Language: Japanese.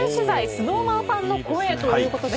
ＳｎｏｗＭａｎファンの声ということで。